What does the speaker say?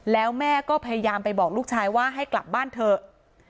แล้วแม่ก็พยายามไปบอกลูกชายว่าให้กลับบ้านเถอะ